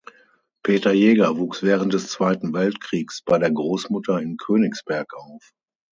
Peter Jäger wuchs während des Zweiten Weltkriegs bei der Großmutter in Königsberg auf.